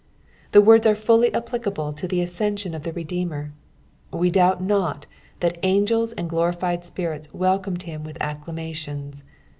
The words am fully applicable to the ascension of the Redeemer. We doubt not that angels and glorified spirits welcomed him with acclamations.